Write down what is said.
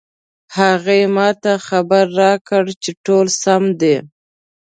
هغې ما ته خبر راکړ چې ټول سم دي